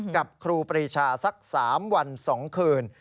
ครูปรีชาสัก๓วัน๒คืน